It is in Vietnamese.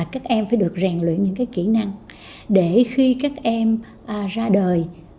các em phải được rèn luyện những kỹ năng để khi các em ra đời